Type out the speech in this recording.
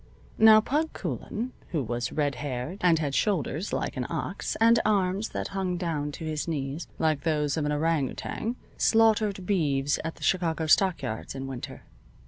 Now "Pug" Coulan, who was red haired, and had shoulders like an ox, and arms that hung down to his knees, like those of an orang outang, slaughtered beeves at the Chicago stockyards in winter.